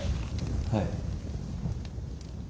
はい。